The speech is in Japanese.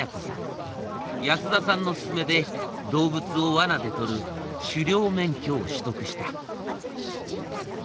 安田さんの勧めで動物をワナでとる狩猟免許を取得した。